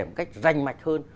một cách rành mạch hơn